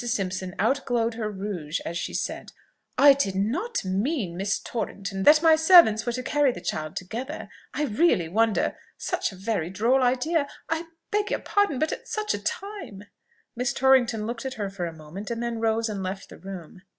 Simpson out glowed her rouge as she said, "I did not mean, Miss Torrington, that my servants were to carry the child together, I really wonder such a very droll idea. I beg your pardon but at such a time " Miss Torrington looked at her for a moment, and then rose and left the room.